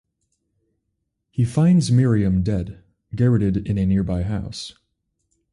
He finds Miriam dead, garrotted in a nearby house.